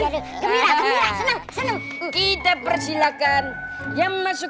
gembira gembira senang senang